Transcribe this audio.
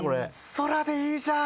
「空」でいいじゃん。